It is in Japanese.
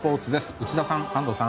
内田さん、安藤さん。